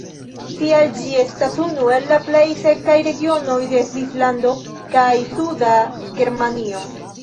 Tial ĝi estas unu el la plej sekaj regionoj de Svislando kaj suda Germanio.